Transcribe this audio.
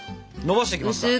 のばしていきますか。